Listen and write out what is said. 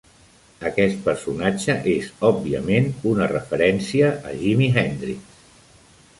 Aquest personatge és òbviament una referència a Jimi Hendrix.